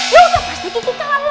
yaudah pasti kiki kalah